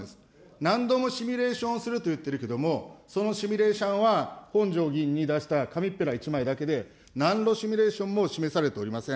何度もシミュレーションをすると言ってるけれども、そのシミュレーションは本庄議員に出した紙っぺら１枚だけで、なんのシミュレーションも示されておりません。